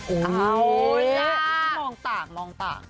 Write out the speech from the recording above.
โอ้ยมองต่างมองต่าง